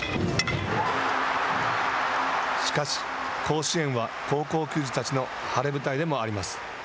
しかし、甲子園は高校球児たちの晴れ舞台でもあります。